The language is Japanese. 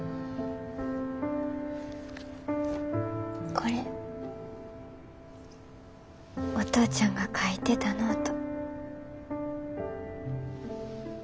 これお父ちゃんが書いてたノート。